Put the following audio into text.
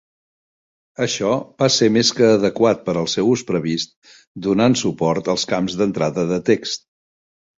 Això va ser més que adequat per al seu ús previst, donant suport als camps d'entrada de text.